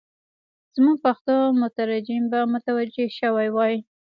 زموږ پښتو مترجم به متوجه شوی وای.